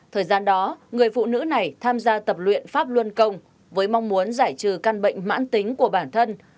thời gian đó người phụ nữ này tham gia tập luyện pháp luân công với mong muốn giải trừ căn bệnh mãn tính của bản thân